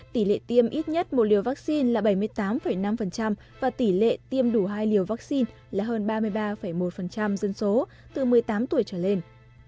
tỷ lệ tiêm ít nhất một liều vaccine là bảy mươi tám năm và tỷ lệ tiêm đủ hai liều vaccine là hơn ba mươi ba một dân số từ một mươi tám tuổi trở lên